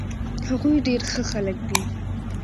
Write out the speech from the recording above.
هغوي ډير ښه خلک دي